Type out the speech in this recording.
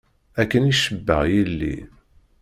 Akken i cebbaɣ yelli.